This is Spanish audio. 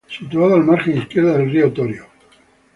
Situado a la margen izquierda del río Torío.